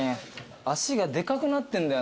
足がでかくなってんだよ